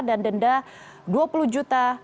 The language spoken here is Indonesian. dan denda dua puluh juta